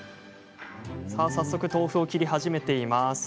早速、豆腐を切り始めています。